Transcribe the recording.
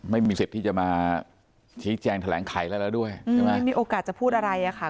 ไม่มีเสร็จที่จะมาชายแจงแถลงไข่แล้วด้วยไม่มีโอกาสจะพูดอะไรค่ะ